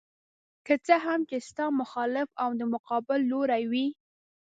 که څه هم چې ستا مخالف او د مقابل لوري وي.